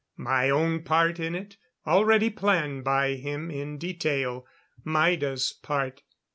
My own part in it, already planned by him in detail. Maida's part.